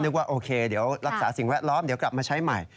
ว่าโอเคเดี๋ยวรักษาสิ่งแวดล้อมเดี๋ยวกลับมาใช้ใหม่